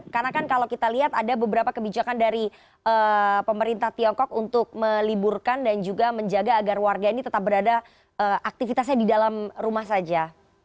karena kan kalau kita lihat ada beberapa kebijakan dari pemerintah tiongkok untuk meliburkan dan juga menjaga agar warga ini tetap berada aktivitasnya di dalam rumah saja